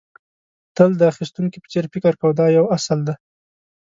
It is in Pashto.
تل د اخيستونکي په څېر فکر کوه دا یو اصل دی.